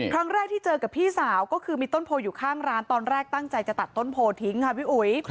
ครั้งแรกที่เจอกับพี่สาวก็คือมีต้นโพอยู่ข้างร้านตอนแรกตั้งใจจะตัดต้นโพทิ้งค่ะพี่อุ๋ย